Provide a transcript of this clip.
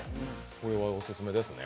これはオススメですね。